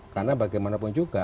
karena bagaimanapun juga